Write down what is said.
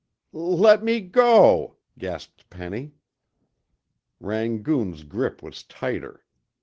"L let m me g go," gasped Penny. Rangoon's grip was tighter.